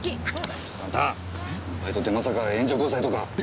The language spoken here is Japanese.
ちょっとあんたバイトってまさか援助交際とか。